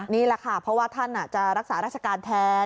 นี่แหละค่ะเพราะว่าท่านจะรักษาราชการแทน